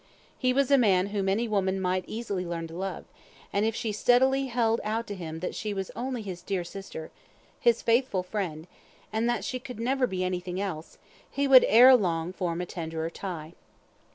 He was a man whom any woman might easily learn to love; and if she steadily held out to him that she was only his dear sister his faithful friend, and that she could never be anything else, he would ere long form a tenderer tie.